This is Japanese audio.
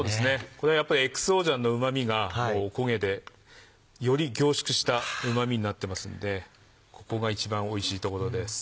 これはＸＯ醤のうま味がお焦げでより凝縮したうま味になってますのでここが一番おいしいところです。